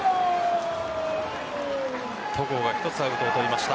戸郷が１つアウトを取りました。